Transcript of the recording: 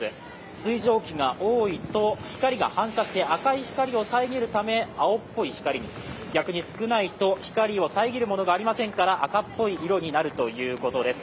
水蒸気が多いと光が反射して赤い光を遮るため青っぽい光に、逆に少ないと光を遮るものがありませんから赤っぽい色になるということです。